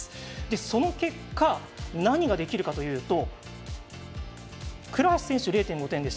その結果、何ができるかというと倉橋選手、０．５点でした。